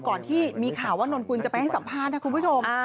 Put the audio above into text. ที่มีข่าวว่านนกุลจะไปให้สัมภาษณ์นะคุณผู้ชม